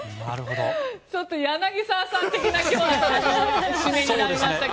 ちょっと柳澤さん的になりましたが。